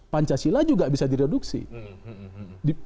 pancasila juga bisa direduksi